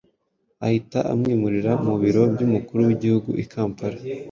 ahita amwimurira mu Biro by’Umukuru w’igihugu i Kampala.